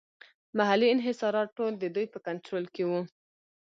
محلي انحصارات ټول د دوی په کنټرول کې وو.